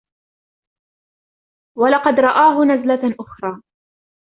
ولقد رآه نزلة أخرى